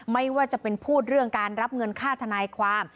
ไม่ว่าจะเป็นพูดเรื่องการรับเงินค่าทนายความ